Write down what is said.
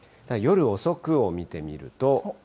夜遅くを見てみると。